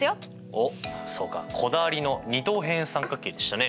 おっそうかこだわりの二等辺三角形でしたね。